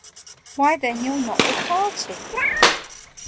"Why, then YOU'RE NOT THE PARTY!"